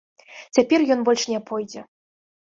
Цяпер ён больш не пойдзе!